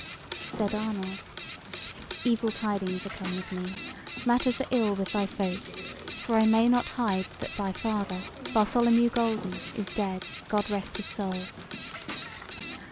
Said Arnold: "Evil tidings are come with me; matters are ill with thy folk; for I may not hide that thy father, Bartholomew Golden, is dead, God rest his soul."